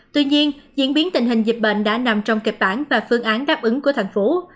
tuy nhiên diễn biến tình hình dịch bệnh đã nằm trong kịch bản và phương án đáp ứng của thành phố